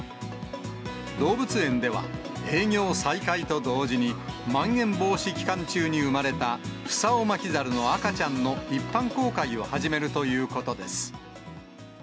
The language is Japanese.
動物園では、営業再開と同時に、まん延防止期間中に産まれたフサオマキザルの赤ちゃんの一般公開を始めるということです。